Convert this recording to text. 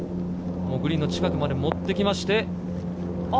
グリーンの近くまで持っていきました。